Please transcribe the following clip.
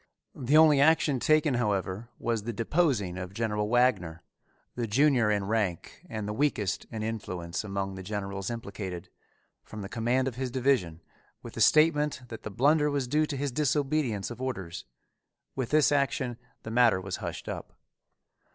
The only action taken, however, was the deposing of General Wagner, the junior in rank and the weakest in influence among the generals implicated, from the command of his division, with the statement that the blunder was due to his disobedience of orders. With this action the matter was hushed up.